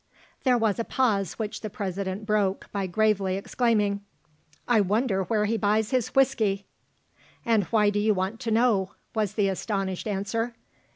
There was a pause, which the President broke by gravely exclaiming, "I wonder where he buys his whiskey!" "And why do you want to know?" was the astonished answer.